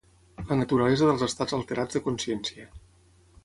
la naturalesa dels estats alterats de consciència